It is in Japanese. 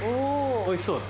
おいしそうだ。